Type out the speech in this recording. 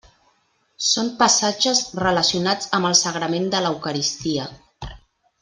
Són passatges relacionats amb el sagrament de l'eucaristia.